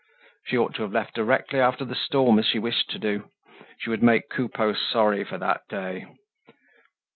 She ought to have left directly after the storm, as she wished to do. She would make Coupeau sorry for that day.